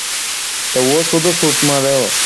এখন কী ঘটছে শুনতে পাচ্ছেন?